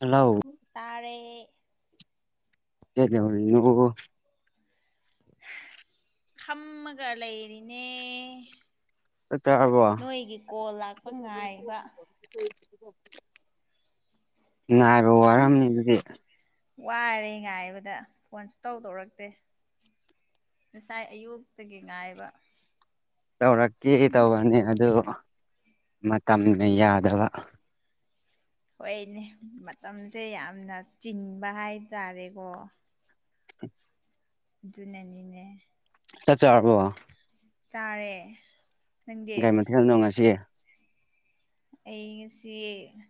ꯍꯜꯂ‌ꯧ ꯇꯥꯔꯦ ꯀꯩꯗꯧꯔꯤꯅꯣ [unintelligible] ꯐꯝꯃꯒ ꯂꯩꯔꯤꯅꯦ ꯆꯥꯛ ꯆꯥꯔꯕꯣ ꯅꯣꯏꯒꯤ ꯀꯣꯜ ꯂꯥꯛꯄ ꯉꯥꯏꯕ ꯉꯥꯏꯕ ꯋꯥꯔꯝꯅꯤ ꯑꯗꯨꯗꯤ ꯋꯥꯔꯦ ꯉꯥꯏꯕꯗ ꯐꯣꯟ ꯁꯨꯡꯇꯧ ꯇꯧꯔꯛꯇꯦ ꯉꯁꯥꯏ ꯑꯌꯨꯛꯇꯒꯤ ꯉꯥꯏꯕ ꯇꯧꯔꯛꯀꯦ ꯇꯧꯕꯅꯤ ꯑꯗꯨ ꯃꯇꯝꯅ ꯌꯥꯗꯕ ꯍꯣꯏꯅꯦ ꯃꯇꯝꯁꯦ ꯌꯥꯝꯅ ꯆꯤꯟꯕ ꯍꯥꯏꯇꯥꯔꯦꯀꯣ ꯑꯗꯨꯅꯅꯤꯅꯦ ꯆꯥꯛ ꯆꯥꯔꯕꯣ ꯆꯥꯔꯦ ꯅꯪꯗꯤ ꯀꯩ ꯃꯊꯦꯜꯅꯣ ꯉꯁꯤ ꯑꯩ ꯉꯁꯤ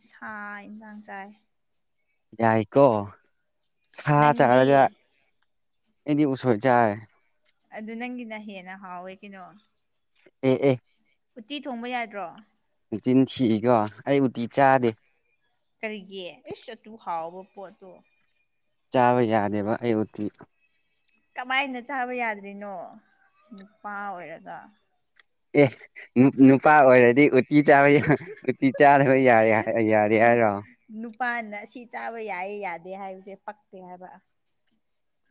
ꯁꯥ ꯏꯟꯖꯥꯡ ꯆꯥꯏ ꯌꯥꯏꯀꯣ ꯁꯥ ꯅꯪꯗꯤ ꯆꯥꯔꯒ ꯑꯩꯗꯤ ꯎꯁꯣꯏ ꯆꯥꯏ ꯑꯗꯨ ꯅꯪꯒꯤꯅ ꯍꯦꯟꯅ ꯍꯥꯎꯋꯦ ꯀꯩꯅꯣ ꯑꯦ ꯑꯦ ꯎꯠꯇꯤ ꯊꯣꯡꯕ ꯌꯥꯗ꯭ꯔꯣ ꯅꯥꯆꯤꯟ ꯊꯤꯀꯣ ꯑꯩ ꯎꯇꯤ ꯆꯥꯗꯦ ꯀꯔꯤꯒꯤ ꯏꯁ ꯑꯗꯨꯛ ꯍꯥꯎꯕ ꯄꯣꯠꯇꯣ ꯆꯥꯕ ꯌꯥꯗꯦꯕ ꯑꯩ ꯎꯇꯤ ꯀꯃꯥꯏꯅ ꯆꯥꯕ ꯌꯥꯗ꯭ꯔꯤꯅꯣ ꯅꯨꯄꯥ ꯑꯣꯏꯔꯒ ꯑꯦ ꯅꯨꯄꯥ ꯑꯣꯏꯔꯗꯤ ꯎꯇꯤ ꯆꯥꯕ ꯎꯇꯤ ꯆꯥꯗꯕ ꯌꯥꯔꯦ ꯌꯥꯔꯦ ꯍꯥꯏꯔꯣ ꯅꯨꯄꯥꯅ ꯁꯤ ꯆꯥꯕ ꯌꯥꯏ ꯌꯥꯗꯦ ꯍꯥꯏꯕꯁꯦ ꯄꯛꯇꯦ ꯍꯥꯏꯕ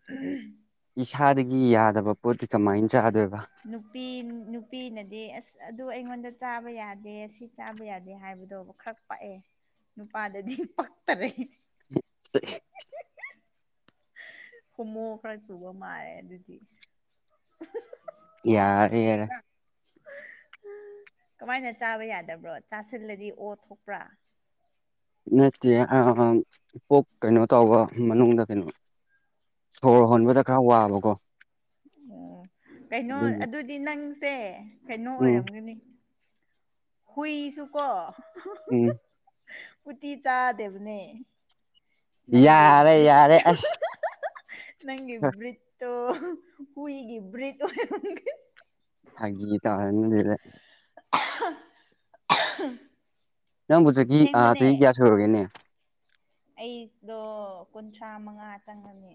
ꯑꯍꯝ ꯏꯁꯥꯗꯒꯤ ꯌꯥꯗꯕ ꯄꯣꯠꯇꯤ ꯀꯃꯥꯏꯟ ꯆꯥꯗꯣꯏꯕ ꯅꯨꯄꯤ ꯅꯨꯄꯤꯅꯗꯤ ꯑꯁ ꯑꯗꯨ ꯑꯩꯉꯣꯟꯗ ꯆꯥꯕ ꯌꯥꯗꯦ ꯁꯤ ꯆꯥꯕ ꯌꯥꯗꯦ ꯍꯥꯏꯕꯗꯣ ꯈꯔ ꯄꯛꯑꯦ ꯅꯨꯄꯥꯗꯗꯤ ꯄꯛꯇꯔꯦ ꯍꯨꯝꯃꯣ ꯈꯔ ꯆꯨꯕ ꯃꯥꯜꯂꯦ ꯑꯗꯨꯗꯤ ꯌꯥꯔꯦ [unintelligible] ꯀꯃꯥꯏꯅ ꯆꯥꯕ ꯌꯥꯗꯕ꯭ꯔꯣ ꯆꯥꯁꯤꯜꯂꯗꯤ ꯑꯣ ꯊꯣꯛꯄ꯭ꯔꯥ ꯅꯠꯇꯦ [unintelligible] ꯄꯣꯛ ꯀꯩꯅꯣ ꯇꯧꯕ ꯃꯅꯨꯡꯗ ꯀꯩꯅꯣ ꯁꯣꯔ ꯍꯣꯟꯕꯗ ꯈꯔ ꯋꯥꯕꯀꯣ ꯑꯣ ꯀꯩꯅꯣ ꯑꯗꯨꯒꯤ ꯑꯗꯨꯗꯤ ꯅꯪꯁꯦ ꯀꯩꯅꯣ ꯎꯝ ꯑꯣꯏꯔꯝꯒꯅꯤ ꯍꯨꯏꯁꯨ ꯀꯣ [unintelligible] ꯎꯝ ꯎꯇꯤ ꯆꯥꯗꯦꯕꯅꯦ ꯅꯪꯒꯤ ꯌꯥꯔꯦ ꯕ꯭ꯔꯤꯠ ꯌꯥꯔꯦ [unintelligible] ꯑꯁ ꯅꯪꯒꯤ ꯕ꯭ꯔꯤꯠꯇꯣ ꯍꯨꯏꯒꯤ ꯕ꯭ꯔꯤꯠ ꯑꯣꯢꯔꯝꯒꯅꯤ ꯐꯥꯒꯤ ꯇꯥꯔꯝꯅꯤꯗ [unintelligible] ꯅꯪꯕꯨ ꯆꯍꯤ ꯑ ꯆꯍꯤ ꯑꯁꯦꯡꯕꯅꯦ ꯀꯌꯥ ꯁꯨꯨꯔꯒꯦꯅꯦ ꯑꯩꯗꯣ ꯀꯨꯟꯊ꯭ꯔꯥ ꯃꯉꯥ ꯆꯪꯉꯛꯌꯦ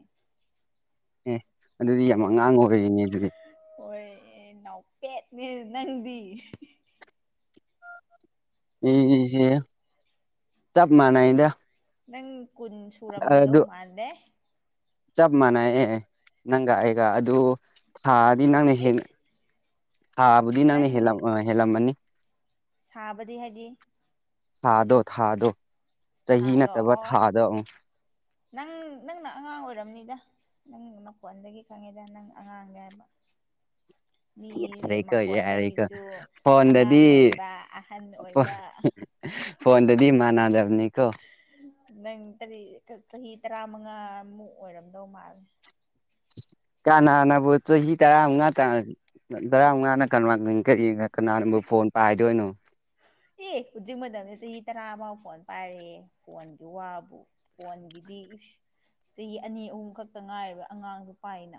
ꯑꯦ ꯑꯗꯨꯗꯤ ꯌꯥꯝ ꯑꯉꯥꯡ ꯑꯣꯏꯔꯤꯅꯦ ꯑꯗꯨꯗꯤ ꯍꯣꯏ ꯑꯦ ꯅꯥꯎꯄꯦꯠꯅꯦ ꯅꯪꯗꯤ ꯑꯩꯁꯦ ꯆꯞ ꯃꯥꯟꯅꯩꯗ ꯅꯪ ꯀꯨꯟ ꯁꯨꯔꯝꯗꯧ ꯑꯗꯨ ꯃꯥꯥꯟꯗꯦ ꯆꯞ ꯃꯥꯟꯅꯩ ꯌꯦ ꯅꯪꯒ ꯑꯩꯒ ꯑꯗꯨ ꯁꯥꯗꯤ ꯅꯪꯅ ꯍꯦꯟ ꯏꯁ ꯁꯥꯕꯨꯗꯤ ꯅꯪꯅ ꯅꯪ ꯍꯦꯜꯂ ꯍꯦꯜꯂꯝꯃꯅꯤ ꯁꯥꯕꯗꯤ ꯍꯥꯏꯗꯤ ꯊꯥꯗꯣ ꯊꯥꯗꯣ ꯆꯍꯤ ꯊꯥꯗꯣ ꯅꯠꯇꯕ ꯑꯣ ꯊꯥꯗꯣ ꯎꯝ ꯅꯪ ꯅꯪꯅ ꯑꯉꯥꯡ ꯑꯣꯏꯔꯝꯅꯤꯗ ꯅꯪ ꯅꯈꯣꯟꯗꯒꯤ ꯈꯪꯉꯤꯗ ꯅꯪ ꯑꯉꯥꯡꯅꯤ ꯍꯥꯏꯕ [inaudible] ꯃꯤꯗꯤ ꯌꯥꯔꯦꯀꯣ ꯌꯥꯔꯦꯀꯣ ꯃꯈꯣꯟꯗꯒꯤꯁꯨ ꯐꯣꯟꯗꯗꯤ ꯑꯉꯥꯡ ꯑꯣꯏꯕ ꯑꯍꯟ ꯑꯣꯏꯕ [unintelligible] ꯐꯣꯟꯗꯗꯤ ꯃꯥꯟꯅꯗꯝꯅꯦꯀꯣ ꯅꯪ ꯇꯔꯤ ꯆꯍꯤ ꯇꯔꯥꯃꯉꯥꯃꯨꯛ ꯑꯣꯏꯔꯝꯗꯧ ꯃꯥꯜꯂꯤ ꯀꯥꯅꯥꯅꯕꯨ ꯆꯍꯤ ꯇꯔꯥꯃꯉꯥ [unintelligible] ꯇꯔꯥꯃꯉꯥꯅ [unintelligible] ꯀꯅꯥꯅꯕꯨ ꯐꯣꯟ ꯄꯥꯏꯗꯣꯏꯅꯣ ꯑꯦ ꯍꯨꯖꯤꯛ ꯃꯇꯝꯗꯤ ꯆꯍꯤ ꯇꯔꯥꯕꯥꯎ ꯐꯣꯟ ꯄꯥꯏꯔꯦꯍꯦ ꯐꯣꯟꯒꯤ ꯋꯥꯕꯨ ꯐꯣꯟꯒꯤꯗꯤ ꯏꯁ ꯆꯍꯤ ꯑꯅꯤ ꯑꯍꯨꯝ ꯈꯛꯇ ꯉꯥꯏꯔꯤꯕ ꯑꯉꯥꯡꯁꯨ ꯄꯥꯏꯅ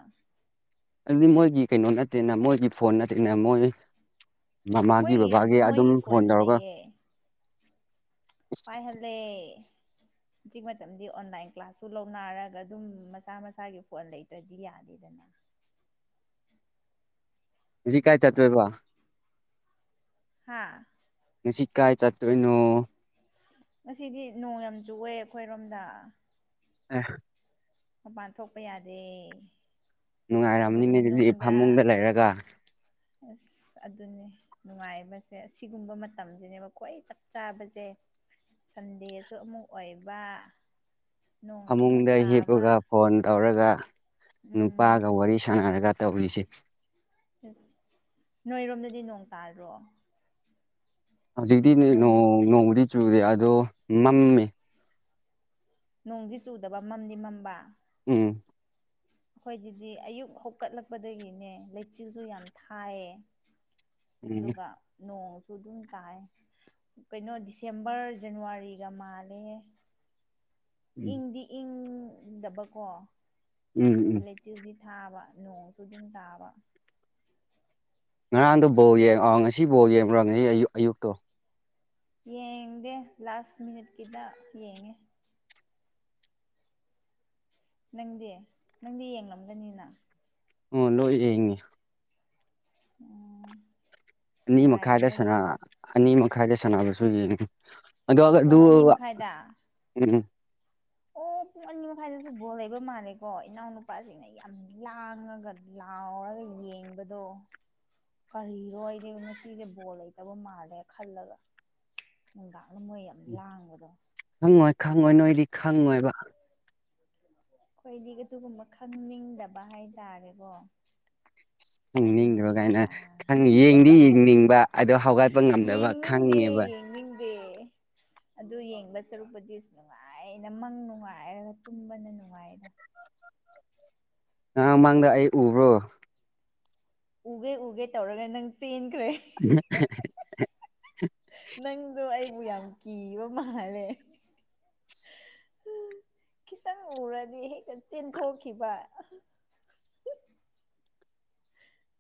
ꯑꯗꯨꯗꯤ ꯃꯣꯏꯒꯤ ꯀꯩꯅꯣ ꯅꯠꯇꯦꯅ ꯃꯣꯏꯒꯤ ꯐꯣꯟ ꯅꯠꯇꯦꯅ ꯃꯣꯏ ꯃꯃꯥꯒꯤ ꯃꯣꯏꯒꯤ ꯕꯕꯥꯒꯤ ꯑꯗꯨꯝ ꯃꯣꯏꯒꯤ ꯐꯣꯟ ꯇꯧꯔꯒ ꯂꯩꯌꯦ ꯄꯥꯏꯍꯜꯂꯦ ꯍꯧꯖꯤꯛ ꯃꯇꯝꯗꯤ ꯑꯣꯟꯂꯥꯏꯟ ꯀ꯭ꯂꯥꯁꯁꯨ ꯂꯧꯅꯔꯒ ꯑꯗꯨꯝ ꯃꯁꯥ ꯃꯁꯥꯒꯤ ꯐꯣꯟ ꯂꯩꯇ꯭ꯔꯗꯤ ꯌꯥꯗꯦꯗꯅ ꯍꯨꯖꯤꯛ ꯀꯥꯏ ꯆꯠꯇꯣꯢꯕ ꯍꯥꯥ ꯉꯁꯤ ꯀꯥꯏ ꯆꯠꯇꯣꯏꯅꯣ ꯉꯁꯤꯗꯤ ꯅꯣꯡ ꯌꯥꯝ ꯆꯨꯋꯦ ꯑꯈꯣꯏꯔꯣꯝꯗ ꯑꯦ ꯃꯄꯥꯟ ꯊꯣꯛꯄ ꯌꯥꯗꯦ ꯔꯨꯝ ꯅꯨꯡꯉꯥꯏꯔꯝꯅꯤꯅꯦ ꯑꯗꯨꯗꯤ ꯐꯃꯨꯡꯗ ꯃꯅꯨꯡꯗ ꯂꯩꯔꯒ ꯑꯁ ꯑꯗꯨꯅꯦ ꯅꯨꯡꯉꯥꯏꯕꯁꯦ ꯑꯁꯤꯒꯨꯝꯕ ꯃꯇꯝꯖꯤꯅꯦꯕ ꯈ꯭ꯋꯥꯏ ꯆꯞ ꯆꯥꯕꯖꯦ ꯁꯟꯗꯦꯁꯨ ꯑꯃꯨꯛ ꯑꯣꯏꯕ ꯅꯣꯡꯁꯨ ꯑꯃꯨꯛ ꯐꯃꯨꯡꯗ ꯇꯥꯕ ꯍꯤꯞꯄꯒ ꯐꯣꯟ ꯇꯧꯔꯒ ꯅꯨꯄꯥꯒ ꯎꯝ ꯋꯥꯔꯤ ꯁꯥꯟꯅꯔꯒ ꯇꯧꯔꯤꯁꯦ ꯏꯁ ꯅꯣꯏꯔꯣꯝꯗꯗꯤ ꯅꯣꯡ ꯇꯥꯗ꯭ꯔꯣ ꯍꯧꯖꯤꯛꯇꯤ ꯅꯣꯡ ꯅꯣꯡꯕꯨꯗꯤ ꯆꯨꯨꯗꯦ ꯑꯗꯣ ꯃꯝꯃꯦ ꯅꯣꯡꯗꯤ ꯆꯨꯗꯕ ꯃꯝꯗꯤ ꯃꯝꯕ ꯎꯝ ꯈꯣꯏꯒꯤꯗꯤ ꯑꯌꯨꯛ ꯍꯧꯒꯠꯂꯛꯄꯗꯒꯤꯅꯦ ꯂꯩꯆꯤꯜꯁꯨ ꯌꯥꯝ ꯊꯥꯏꯌꯦ ꯎꯝ ꯑꯗꯨꯒ ꯅꯣꯡꯁꯨ ꯑꯗꯨꯝ ꯇꯥꯏ ꯀꯩꯅꯣ ꯗꯤꯁꯦꯝꯕꯔ ꯖꯟꯋꯥꯔꯤꯒ ꯃꯥꯜꯂꯦꯍꯦ ꯎꯝ ꯏꯪꯗꯤ ꯏꯪꯗꯕꯀꯣ ꯎꯝ [unintelligible] ꯆꯤꯜꯗꯤ ꯊꯥꯕ ꯅꯣꯡꯁꯨ ꯑꯗꯨꯝ ꯇꯥꯕ ꯉꯔꯥꯡꯗꯣ ꯕꯣꯜ ꯌꯦꯡ ꯑꯣ ꯉꯁꯤ ꯕꯣꯜ ꯌꯦꯡꯕ꯭ꯔꫭ ꯉꯁꯤ ꯑꯌꯨꯛ ꯑꯌꯨꯛꯇꯣ ꯌꯦꯡꯗꯦ ꯂꯥꯁ ꯃꯤꯅꯤꯠꯀꯤꯗ ꯌꯦꯡꯉꯦ ꯅꯪꯗꯤ ꯅꯪꯗꯤ ꯌꯦꯡꯂꯝꯒꯅꯤꯅ ꯑꯣ ꯂꯣꯏ ꯌꯦꯡꯉꯤ ꯑꫭ ꯑꯅꯤ ꯃꯈꯥꯏꯗ ꯁꯥꯟꯅ ꯑꯅꯤ ꯃꯈꯥꯏꯗ ꯁꯥꯟꯅꯕꯁꯨ ꯌꯦꯡꯉꯦ [unintelligible] ꯑꯗꯨ ꯄꯨꯡ ꯑꯅꯤ ꯃꯈꯥꯏꯗ ꯎꯝ ꯑꯣ ꯄꯨꯡ ꯑꯅꯤ ꯃꯈꯥꯏꯗꯁꯨ ꯕꯣꯜ ꯂꯩꯕ ꯃꯥꯜꯂꯦꯀꯣ ꯏꯅꯥꯎꯅꯨꯄꯥꯖꯤꯡꯅ ꯌꯥꯝ ꯂꯥꯡꯔꯒ ꯂꯥꯎꯔꯒ ꯌꯦꯡꯕꯗꯣ ꯀꯔꯤꯔꯣ ꯑꯩꯗꯤ ꯉꯁꯤꯖꯦ ꯕꯣꯜ ꯂꯩꯇꯕ ꯃꯥꯜꯂꯦ ꯈꯜꯂꯒ ꯅꯨꯡꯗꯥꯡꯅ ꯃꯣꯏ ꯌꯥꯝ ꯂꯥꯡꯕꯗꯣ ꯈꯪꯉꯣꯏ ꯈꯪꯉꯣꯏ ꯅꯣꯏꯗꯤ ꯈꯪꯉꯣꯏꯕ ꯈꯣꯏꯗꯤ ꯑꯗꯨꯒꯨꯝꯕ ꯈꯪꯅꯤꯡꯗꯕ ꯍꯥꯏꯇꯥꯔꯦꯀꯣ [inaudible] ꯈꯪꯅꯤꯡꯗꯕ ꯒꯥꯏꯅ ꯑꯗꯨꯅꯅꯦꯗ ꯈꯪꯉꯦ ꯌꯦꯡꯗꯤ ꯌꯦꯡꯅꯤꯡꯕ ꯑꯗꯣ ꯍꯧꯒꯠꯄ ꯉꯝꯗꯕ ꯈꯪꯉꯦꯕ ꯕꯦ ꯑꯗꯨ ꯌꯦꯡꯕ ꯁꯔꯨꯛꯄꯨꯗꯤ ꯅꯨꯡꯉꯥꯏꯅ ꯃꯪ ꯅꯨꯡꯉꯥꯏꯔꯒ ꯇꯨꯝꯕꯅ ꯅꯨꯡꯉꯥꯏꯗ ꯉꯔꯥꯡ ꯃꯥꯡꯗ ꯑꯩ ꯎꯕ꯭ꯔꯣ ꯎꯒꯦ ꯎꯒꯦ ꯇꯧꯔꯒ ꯅꯪ ꯆꯦꯟꯈ꯭ꯔꯦ [unintelligible] ꯅꯪꯗꯣ ꯑꯩꯕꯨ ꯌꯥꯝ ꯀꯤꯕ ꯃꯥꯜꯂꯦ ꯈꯤꯇꯪ ꯎꯔꯗꯤ ꯍꯦꯛꯇ ꯆꯦꯟꯊꯣꯛꯈꯤꯕ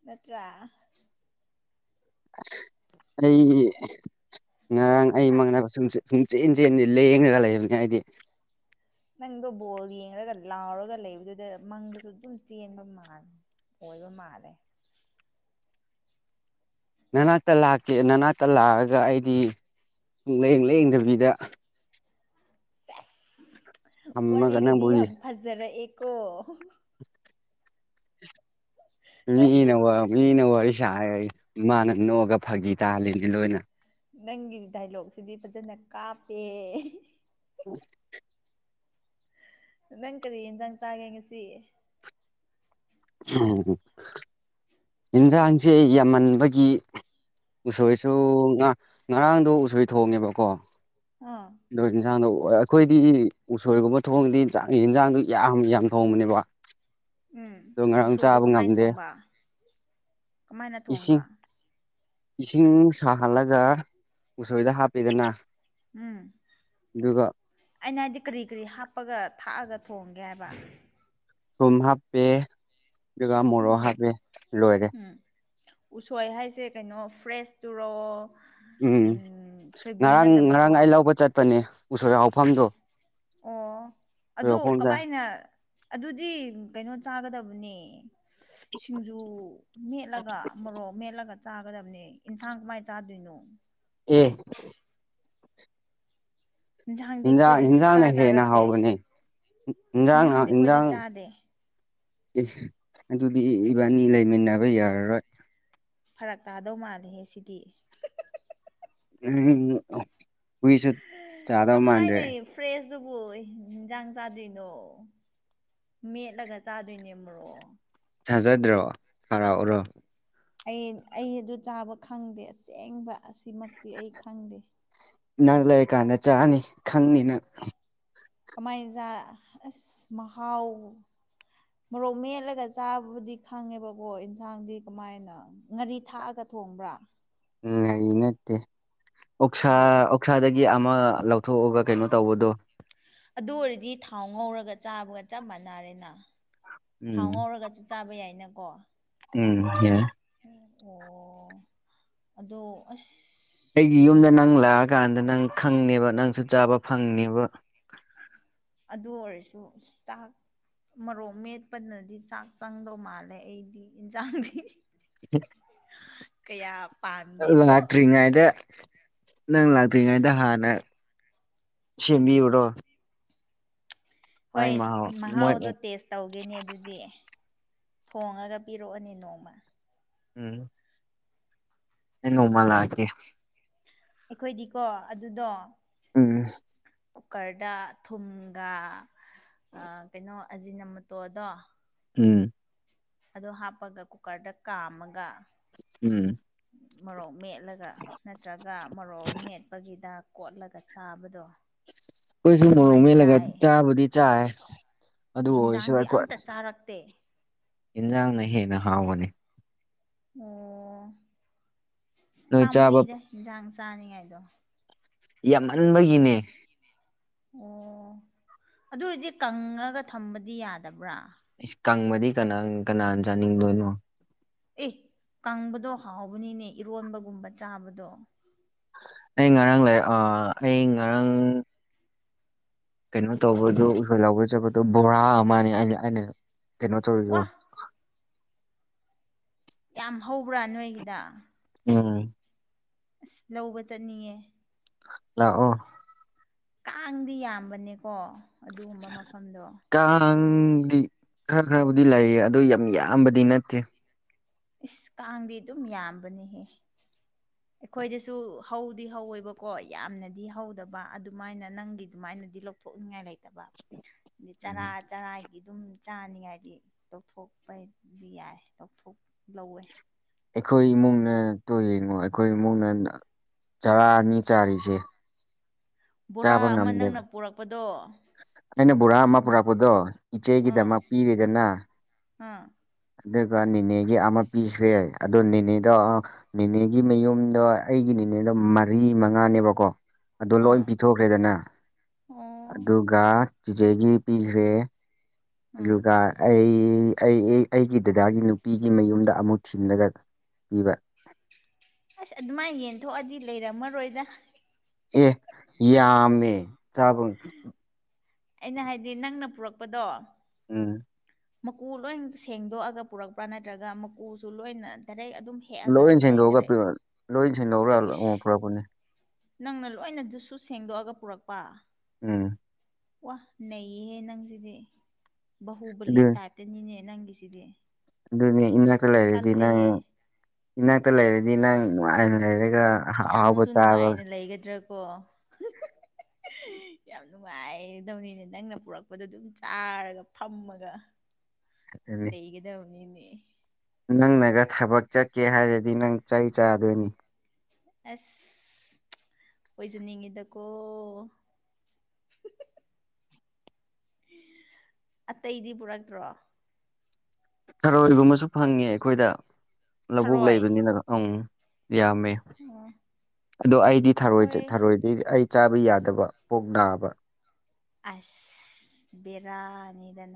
ꯅꯠꯇ꯭ꯔꯥ ꯑꯩ ꯉꯔꯥꯡ ꯑꯩ ꯍꯥ ꯃꯪꯗ [unintelligible] ꯁꯨꯡꯆꯦꯟ ꯆꯦꯟꯗꯦ ꯂꯦꯡꯔꯒ ꯂꯩꯕꯅꯦ ꯑꯩꯗꯤ ꯅꯪꯗꯣ ꯕꯣꯜ ꯌꯦꯡꯔꯒ ꯂꯥꯎꯔꯒ ꯂꯩꯕꯗꯨꯗ ꯃꯪꯗꯁꯨ ꯑꯗꯨꯝ ꯆꯦꯟꯕ ꯃꯥꯜꯂꯦ ꯑꯣꯏꯕ ꯃꯥꯜꯂꯦ ꯅꯅꯥꯛꯇ ꯂꯥꯛꯀꯦ ꯅꯅꯥꯛꯇ ꯂꯥꯛꯑꯒ ꯑꯩꯗꯤ ꯂꯦꯡ ꯂꯦꯡꯗꯕꯤꯗ ꯑꯁ ꯊꯝꯃꯒ ꯋꯥꯔꯤꯒꯗꯤ ꯅꯪꯕꯨ ꯌꯥꯝ ꯐꯖꯔꯛꯑꯦꯀꯣ ꯅꯪ ꯃꯤꯅ ꯋꯥ ꯃꯤꯅ ꯋꯥꯔꯤ ꯁꯥꯔꯒ ꯃꯥꯅ ꯅꯣꯛꯑꯒ ꯐꯥꯒꯤ ꯇꯥꯍꯜꯂꯤꯅꯤ ꯂꯣꯏꯅ ꯅꯪꯒꯤ ꯗꯥꯏꯂꯣꯛꯁꯤꯗꯤ ꯐꯖꯅ ꯀꯥꯞꯄꯦ [inaudible] ꯅꯪ ꯀꯔꯤ ꯏꯟꯖꯥꯡ ꯆꯥꯒꯦ ꯉꯁꯤ ꯎꯝ ꯏꯟꯖꯥꯡꯁꯦ ꯌꯥꯝꯃꯟꯕꯒꯤ ꯎꯁꯣꯏꯁꯨ ꯉꯥ ꯉꯔꯥꯡꯗꯣ ꯎꯁꯣꯏ ꯊꯣꯡꯉꯦꯕꯀꯣ ꯑꯥ ꯑꯗꯨ ꯏꯟꯖꯥꯡꯗꯣ ꯑꯩꯈꯣꯏꯗꯤ ꯎꯁꯣꯏꯒꯨꯝꯕ ꯊꯣꯡꯉꯗꯤ ꯆꯥꯡ ꯌꯦꯟꯖꯥꯡꯗꯣ ꯌꯥꯝ ꯌꯥꯝ ꯊꯣꯡꯕꯅꯦꯕ ꯎꯝ ꯑꯗꯣ ꯉꯔꯥꯡ ꯎꯁꯣꯏꯗꯣ ꯆꯥꯕ ꯀꯃꯥꯏꯅ ꯉꯝꯗꯦ ꯊꯣꯡꯕ ꯀꯃꯥꯏꯅ ꯊꯣꯡꯒ ꯏꯁꯤꯡ ꯏꯁꯤꯡ ꯁꯥꯍꯜꯂꯒ ꯎꯁꯣꯏꯗ ꯍꯥꯞꯄꯦꯗꯅ ꯎꯝ ꯑꯗꯨꯒ ꯑꯩꯅ ꯍꯥꯏꯗꯤ ꯀꯔꯤ ꯀꯔꯤ ꯍꯥꯞꯄꯒ ꯊꯥꯛꯑꯒ ꯊꯣꯡꯒꯦ ꯍꯥꯏꯕ ꯊꯨꯝ ꯍꯥꯞꯄꯦ ꯑꯗꯨꯒ ꯃꯣꯔꯣꯛ ꯎꯝ ꯍꯥꯞꯄꯦ ꯂꯣꯏꯔꯦ ꯎꯝ ꯎꯁꯣꯏ ꯍꯥꯏꯁꯦ ꯀꯩꯅꯣ ꯐ꯭ꯔꯦꯁ ꯇꯨꯔꯣ ꯎꯝ ꯉꯔꯥꯡ ꯉꯔꯥꯡ ꯑꯩ ꯂꯧꯕ ꯆꯠꯄꯅꯦ ꯎꯁꯣꯏ ꯍꯧꯐꯝꯗꯣ ꯑꯣ ꯑꯗꯨ ꯀꯃꯥꯏꯅ ꯑꯗꯨꯗꯤ ꯀꯩꯅꯣ ꯆꯥꯒꯗꯕꯅꯦ ꯁꯤꯡꯖꯨ ꯃꯦꯠꯂꯒ ꯃꯣꯔꯣꯛ ꯃꯦꯠꯂꯒ ꯆꯥꯒꯗꯝꯅꯦ ꯏꯟꯁꯥꯡ ꯀꯃꯥꯏ ꯆꯥꯗꯣꯏꯅꯣ ꯑꯦ ꯏꯟꯁꯥꯡꯗꯤ ꯏꯟꯖꯥꯡ ꯑꯩꯈꯣꯏꯗꯤ ꯁꯨꯡꯆꯥ ꯏꯟꯖꯥꯡꯅ ꯍꯦꯟꯅ ꯆꯥꯔꯛꯇꯦ ꯍꯥꯎꯕꯅꯦ ꯏꯟꯖꯥꯡꯅ ꯏꯟꯁꯥꯡꯗꯤ ꯑꯩꯈꯣꯏꯗꯤ ꯏꯟꯖꯥꯡ ꯆꯥꯗꯦ ꯑꯦ ꯑꯗꯨꯗꯤ ꯏꯕꯥꯅꯤ ꯂꯩꯃꯤꯟꯅꯕ ꯌꯥꯔꯔꯣꯏ ꯐꯔꯛ ꯇꯥꯗꯧ ꯃꯥꯜꯂꯦꯍꯦ ꯁꯤꯗꯤ ꯎꯝ ꯍꯨꯏꯁꯨ ꯆꯥꯗꯕ ꯃꯥꯟꯗ꯭ꯔꯦ ꯐ꯭ꯔꯦꯁꯇꯕꯨ ꯌꯦꯟꯖꯥꯡ ꯆꯥꯗꯣꯏꯅꯣ ꯃꯦꯠꯂꯒ ꯆꯥꯗꯣꯏꯅꯦ ꯃꯨꯔꯣꯛ ꯊꯥꯖꯗ꯭ꯔꯣ ꯊꯥꯔꯛꯎꯔꯣ ꯑꯩ ꯑꯩ ꯑꯗꯨ ꯆꯥꯕ ꯈꯪꯗꯦ ꯑꯁꯦꯡꯕ ꯑꯁꯤꯃꯛꯇꯤ ꯑꯩ ꯈꯪꯗꯦ ꯅꯪ ꯂꯩꯔꯀꯥꯟꯗ ꯆꯥꯅꯤ ꯈꯪꯅꯤ ꯅꯪ ꯀꯃꯥꯏꯅꯖꯥ ꯑꯁ ꯃꯍꯥꯎ ꯃꯣꯔꯣꯛ ꯃꯦꯠꯂꯒ ꯆꯥꯕꯕꯨꯗꯤ ꯈꯪꯉꯦꯕꯀꯣ ꯌꯦꯟꯁꯥꯡꯗꯤ ꯀꯃꯥꯏꯅ ꯉꯥꯔꯤ ꯊꯥꯛꯑꯒ ꯊꯣꯡꯕ꯭ꯔꯥ ꯎ ꯉꯥꯔꯤ ꯅꯠꯇꯦ ꯑꯣꯛꯁꯥ ꯀꯔꯤ ꯑꯣꯛꯁꯥꯗꯒꯤ ꯑꯃ ꯂꯧ ꯊꯣꯛꯑꯒ ꯀꯩꯅꯣ ꯇꯧꯕꯗꯣ ꯑꯗꯨ ꯑꯣꯏꯔꯗꯤ ꯊꯥꯎ ꯉꯧꯔꯒ ꯆꯥꯕꯒ ꯆꯞ ꯃꯥꯟꯅꯔꯦꯅ ꯊꯥꯎ ꯎꯝ ꯉꯧꯔꯒꯁꯨ ꯆꯥꯕ ꯌꯥꯏꯅꯀꯣ ꯎꯝ ꯌꯥꯏ ꯑꯣ ꯑꯗꯣ ꯑꯁ ꯑꯩꯒꯤ ꯌꯨꯝꯗ ꯅꯪ ꯂꯥꯛꯑꯀꯥꯟꯗ ꯅꯪ ꯈꯪꯅꯦꯕ ꯅꯪꯁꯨ ꯆꯥꯕ ꯐꯪꯅꯦꯕ ꯑꯗꯨ ꯑꯣꯏꯔꯁꯨ ꯆꯥꯛ ꯃꯔꯣꯛ ꯃꯦꯠꯄꯅꯗꯤ ꯆꯥꯛ ꯆꯪꯗꯧ ꯃꯥꯜꯂꯦ ꯑꯩꯗꯤ ꯏꯟꯁꯥꯡꯗꯤ ꯎ [unintelligible] [unintelligible] ꯀꯌꯥ ꯄꯥꯝ ꯅꯪ ꯂꯥꯛꯇ꯭ꯔꯤꯉꯩꯗ ꯅꯪ ꯂꯥꯛꯇ꯭ꯔꯤꯉꯩꯗ ꯍꯥꯟꯅ ꯁꯦꯝꯕꯤꯌꯨꯔꯣ ꯃꯥꯏ ꯍꯣꯏ ꯃꯍꯥꯎ ꯃꯣꯏ ꯃꯍꯥꯎꯗꯣ ꯇꯦꯁ ꯇꯧꯒꯦꯅꯦ ꯑꯗꯨꯗꯤ ꯊꯣꯡꯉꯒ ꯄꯤꯔꯛꯑꯣꯅꯦ ꯅꯣꯡꯃ ꯎꯝ ꯅꯣꯡꯃ ꯂꯥꯛꯀꯦ ꯑꯩꯈꯣꯏꯗꯤꯀꯣ ꯑꯗꯨꯗꯣ ꯎꯝ ꯀꯨꯀꯔꯗꯥ ꯊꯨꯝꯒꯥ ꯑ ꯀꯩꯅꯣ ꯑꯖꯤꯅ ꯃꯇꯣꯔꯗꯣ ꯎꯝ ꯑꯣꯗꯣ ꯍꯥꯞꯄꯑꯒ ꯀꯨꯀꯔꯗ ꯀꯥꯝꯃꯒ ꯎꯝ ꯃꯣꯔꯣꯛ ꯃꯦꯠꯂꯒ ꯅꯠꯇ꯭ꯔꯒ ꯃꯣꯔꯣꯛ ꯃꯦꯠꯄꯒꯤꯗꯥ ꯀꯣꯠꯂꯒ ꯆꯥꯕꯗꯣ ꯑꯩꯈꯣꯏꯁꯨ ꯃꯣꯔꯣꯛ ꯑꯗꯨꯃꯥꯏꯅ ꯃꯦꯠꯂꯒ ꯆꯥꯏ ꯆꯥꯕꯨꯗꯤ ꯆꯥꯏ ꯑꯗꯨ ꯑꯣꯏꯔꯁꯨ ꯍꯤꯟꯖꯥꯡꯗꯤ ꯑꯩꯈꯣꯏ ꯑꯝꯇ ꯆꯥꯔꯛꯇꯦ ꯌꯦꯟꯖꯥꯡꯅ ꯍꯦꯟꯅ ꯍꯥꯎꯕꯅꯤ ꯑꯣ ꯑꯁ ꯅꯣꯏ ꯆꯥꯕ ꯄꯥꯝꯃꯨꯏꯗ ꯏꯟꯖꯥꯡ ꯆꯥꯅꯤꯡꯉꯥꯏꯗꯣ ꯌꯥꯝꯃꯟꯕꯒꯤꯅꯦ ꯑꯣ ꯑꯗꯨ ꯑꯣꯏꯔꯗꯤ ꯀꯪꯉꯒ ꯊꯝꯕꯗꯤ ꯌꯥꯗꯕ꯭ꯔꯥ ꯏꯁ ꯀꯪꯕꯗꯤ ꯀꯅꯥ ꯀꯅꯥꯅ ꯆꯥꯅꯤꯡꯗꯣꯏꯅꯣ ꯑꯦ ꯀꯪꯕꯗꯣ ꯍꯥꯎꯕꯅꯤꯅꯦ ꯏꯔꯣꯟꯕꯒꯨꯝꯕ ꯆꯥꯕꯗꯣ ꯑꯩ ꯉꯔꯥꯡ ꯂꯩ ꯑꯥ ꯐꯩ ꯉꯔꯥꯡ ꯀꯩꯅꯣ ꯇꯧꯕꯗꯨ ꯎꯁꯣꯏ ꯂꯧꯕ ꯆꯠꯕꯗꯣ ꯕꯣꯔꯥ ꯑꯃꯅꯦ ꯑꯩꯅ ꯑꯩꯅ ꯀꯩꯅꯣ ꯇꯧꯔꯤꯗꯣ ꯋꯥ ꯌꯥꯝ ꯍꯧꯕ꯭ꯔꯥ ꯅꯣꯏꯒꯤꯗ ꯎꯝ ꯑꯁ ꯂꯧꯕ ꯆꯠꯅꯤꯡꯉꯦ ꯂꯛꯑꯣ ꯀꯥꯡꯗꯤ ꯌꯥꯝꯕꯅꯦꯀꯣ ꯑꯗꯨꯒꯨꯝꯕ ꯃꯐꯝꯗꯣ ꯀꯥꯡꯗꯤ ꯈꯔ ꯈꯔꯕꯨꯗꯤ ꯂꯩꯌꯦ ꯑꯗꯨ ꯌꯥꯝ ꯌꯥꯝꯕꯗꯤ ꯅꯠꯇꯦ ꯏꯁ ꯀꯥꯡꯗꯤ ꯑꯗꯨꯝ ꯌꯥꯝꯕꯅꯤꯍꯦ ꯑꯩꯈꯣꯏꯗꯁꯨ ꯍꯧꯗꯤ ꯍꯧꯋꯦꯕꯀꯣ ꯌꯥꯝꯅꯗꯤ ꯍꯧꯗꯕ ꯑꯗꯨꯃꯥꯏꯅ ꯅꯪꯒꯤ ꯑꯗꯨꯃꯥꯏꯅꯗꯤ ꯂꯧ ꯊꯣꯛꯅꯤꯡꯉꯥꯏ ꯂꯩꯇꯕ ꯆꯔꯥ ꯆꯔꯥꯒꯤ ꯑꯗꯨꯝ ꯆꯥꯅꯤꯡꯉꯥꯏꯗꯤ ꯂꯧꯊꯣꯛꯄ ꯍꯥꯏꯗꯤ ꯌꯥꯏ ꯂꯧꯊꯣꯛ ꯂꯧꯋꯦ ꯑꯩꯈꯣꯏ ꯏꯃꯨꯡꯅ ꯇꯣ ꯌꯦꯡꯉꯣ ꯑꯩꯈꯣꯏ ꯏꯃꯨꯡꯅ ꯆꯔꯥ ꯑꯅꯤ ꯆꯥꯔꯤꯁꯦ ꯕꯣꯔꯥ ꯆꯥꯕ ꯑꯃ ꯉꯝꯗꯦꯕ ꯅꯪꯅ ꯄꯨꯔꯛꯄꯗꯣ ꯑꯩꯅ ꯕꯣꯔꯥ ꯑꯃ ꯄꯨꯔꯛꯄꯗꯣ ꯏꯆꯦꯒꯤꯗꯃꯛ ꯄꯤꯔꯦꯗꯅ ꯍꯥ ꯑꯗꯨꯒ ꯅꯦꯅꯦꯒꯤ ꯑꯃ ꯄꯤꯈ꯭ꯔꯦ ꯑꯗꯣ ꯅꯦꯅꯦꯗꯣ ꯅꯦꯅꯦꯒꯤ ꯃꯌꯨꯝꯗꯣ ꯑꯩꯒꯤ ꯅꯦꯅꯦꯗꯣ ꯃꯔꯤ ꯃꯉꯥꯅꯦꯕꯀꯣ ꯑꯗꯨ ꯂꯣꯏ ꯑꯥ ꯄꯤꯊꯣꯛꯈ꯭ꯔꯦꯗꯅ ꯑꯣ ꯑꯗꯨꯒ ꯆꯤꯖꯦꯒꯤ ꯄꯤꯈ꯭ꯔꯦ ꯑꯥ ꯑꯗꯨꯒ ꯑꯩ ꯑꯩ ꯑꯩꯒꯤ ꯗꯗꯥꯒꯤ ꯅꯨꯄꯤꯒꯤ ꯃꯌꯨꯝꯗ ꯑꯃꯨꯛ ꯊꯤꯜꯂꯒ ꯄꯤꯕ ꯑꯁ ꯑꯗꯨꯃꯥꯏꯅ ꯌꯦꯟꯊꯣꯛꯑꯗꯤ ꯂꯩꯔꯝꯃꯔꯣꯏꯗ ꯑꯦ ꯌꯥꯝꯃꯦ ꯆꯥꯕ ꯑꯩꯅ ꯍꯥꯏꯗꯤ ꯅꯪꯅ ꯄꯨꯔꯛꯄꯗꯣ ꯎꯝ ꯃꯀꯨ ꯂꯣꯏ ꯁꯦꯡꯗꯣꯛꯑꯒ ꯄꯨꯔꯛꯄ꯭ꯔꯥ ꯅꯠꯇ꯭ꯔꯒ ꯃꯀꯨꯁꯨ ꯂꯣꯏꯅ ꯗꯥꯏꯔꯦꯛ ꯑꯗꯨꯝ ꯍꯦꯛꯑꯒ ꯂꯣꯏ ꯗꯥꯏꯔꯦꯛ ꯁꯦꯡꯗꯣꯛꯔꯒ ꯗꯥꯏꯔꯦꯛ ꯄꯨꯔꯛ ꯂꯣꯏꯅ ꯁꯦꯡꯗꯧꯔꯒ ꯎꯝ ꯎꯁ ꯄꯨꯔꯛꯄꯅꯦ ꯅꯪꯅ ꯂꯣꯏꯅꯗꯨꯁꯨ ꯁꯦꯡꯗꯣꯛꯑꯒ ꯄꯨꯔꯛꯄ ꯎꯝ ꯋꯥ ꯅꯩꯌꯦꯍꯦ ꯅꯪꯁꯤꯗꯤ ꯕꯥꯍꯨꯕꯂꯤ ꯑꯗꯨ ꯇꯥꯏꯞ ꯇꯤꯅꯤꯅꯦ ꯅꯪꯒꯤꯁꯤꯗꯤ ꯑꯗꯨꯅꯤ ꯏꯅꯥꯛꯇ ꯂꯩꯔꯗꯤ ꯅꯪ ꯀꯜꯂꯦꯍꯦ ꯏꯅꯥꯛꯇ ꯂꯩꯔꯗꯤ ꯅꯪ ꯅꯨꯡꯉꯥꯏꯅ ꯂꯩꯔꯒ ꯑꯍꯥꯎ ꯑꯍꯥꯎꯕ ꯀꯌꯥꯃꯨꯛꯁꯨ ꯆꯥꯕ ꯅꯨꯡꯉꯥꯏꯅ ꯂꯩꯒꯗ꯭ꯔꯥ ꯀꯣ [unintelligible] ꯌꯥꯝ ꯅꯨꯡꯉꯥꯏꯗꯕꯅꯤꯅꯦ ꯅꯪꯅ ꯄꯨꯔꯛꯄꯗꯣ ꯑꯗꯨꯝ ꯆꯥꯔꯒ ꯐꯝꯃꯒ ꯈꯛꯇꯅꯤ ꯂꯩꯒꯗꯧꯅꯤꯅꯦ ꯅꯪꯅꯒ ꯊꯕꯛ ꯆꯠꯀꯦ ꯍꯥꯏꯔꯗꯤ ꯅꯪ ꯆꯩ ꯆꯥꯗꯣꯏꯅꯤ ꯑꯁ ꯑꯣꯏꯖꯅꯤꯡꯉꯤꯗꯀꯣ ꯑꯇꯩꯗꯤ ꯄꯨꯔꯛꯇ꯭ꯔꯣ ꯊꯔꯣꯏ ꯒꯨꯝꯕꯁꯨ ꯐꯪꯉꯦ ꯑꯩꯈꯣꯏꯗ ꯂꯧꯕꯨꯛ ꯊꯔꯣꯏ ꯂꯩꯕꯅꯤꯅ ꯑꯪ ꯌꯥꯝꯃꯦ ꯑꯣ ꯑꯗꯣ ꯑꯩꯗꯤ ꯊꯔꯣꯏ ꯑꯩꯈꯣꯏ ꯊꯔꯣꯏꯗꯤ ꯑꯩ ꯆꯥꯕ ꯌꯥꯗꯕ ꯄꯨꯛ ꯅꯥꯕ ꯑꯁ ꯕꯦꯔꯥꯅꯤꯗ ꯅꯪ